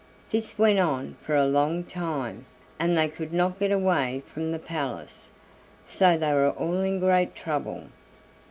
This went on for a long time, and they could not get away from the palace, so they were all in great trouble.